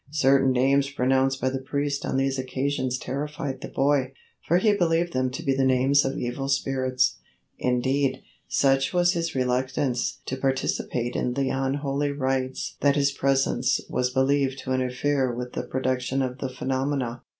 Certain names pronounced by the priest on these occasions terrified the boy, for he believed them to be the names of evil spirits; indeed, such was his reluctance to participate in the unholy rites that his presence was believed to interfere with the production of the phenomena.